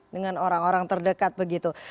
dengan orang orang terdekat begitu